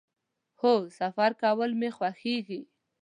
هو، سفر کول می خوښیږي